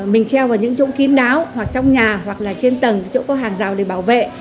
mình treo vào những chỗ kín đáo hoặc trong nhà hoặc là trên tầng chỗ có hàng rào để bảo vệ